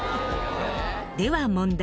では問題。